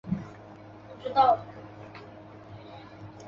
他也是香港象棋总会的荣誉会长。